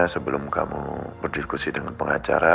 sebelum kamu berdiskusi dengan pengacara